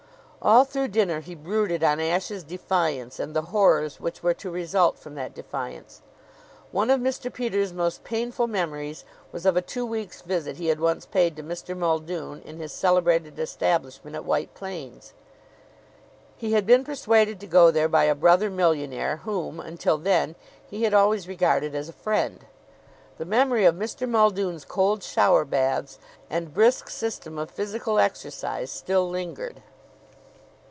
All through dinner he brooded on Ashe's defiance and the horrors which were to result from that defiance. One of Mr. Peters' most painful memories was of a two weeks' visit he had once paid to Mr. Muldoon in his celebrated establishment at White Plains. He had been persuaded to go there by a brother millionaire whom, until then, he had always regarded as a friend. The memory of Mr. Muldoon's cold shower baths and brisk system of physical exercise still lingered.